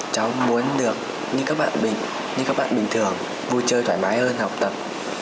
cháu muốn được như các bạn bình thường vui chơi thoải mái hơn học tập